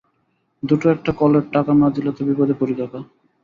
দুটো একটা কলের টাকা না দিলে তো বিপদে পড়ি ককা?